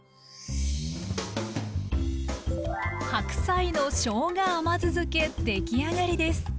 白菜のしょうが甘酢漬けできあがりです。